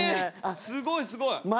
すごいすごい。